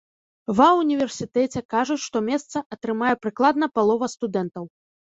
Ва ўніверсітэце кажуць, што месца атрымае прыкладна палова студэнтаў.